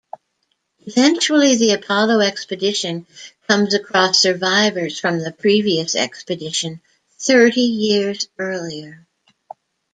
Eventually the Apollo Expedition comes across survivors from the previous expedition thirty years earlier.